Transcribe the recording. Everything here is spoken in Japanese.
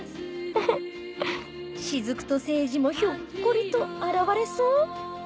フフ雫と聖司もひょっこりと現れそう